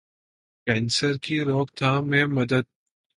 کینسرکی روک تھام میں مدد